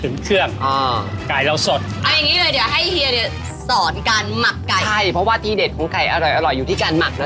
เล็บมือนางเขาไม่ได้เรียกว่าตัวจริงไก่นะคะ